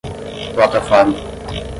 plataforma